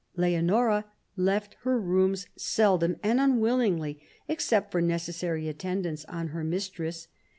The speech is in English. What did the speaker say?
Leonora left her rooms seldom and unwillingly, except for necessary attendance on her mistress.